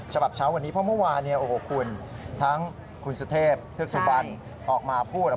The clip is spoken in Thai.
เฉพาะเมื่อวานทั้งขุนสุเทพทุกสุบันออกมาพูด